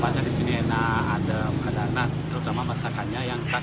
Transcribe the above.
ada di sini enak ada makanan terutama masakannya yang khas